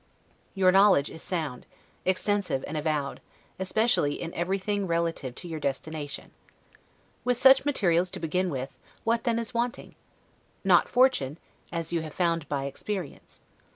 Your knowledge is sound, extensive and avowed, especially in everything relative to your destination. With such materials to begin with, what then is wanting! Not fortune, as you have found by experience.